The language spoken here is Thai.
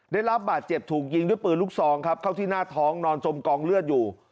ได้รับบาดเจ็บถูกยิงด้วยปืนลูกซองครับเข้าที่หน้าท้องนอนจมกองเลือดอยู่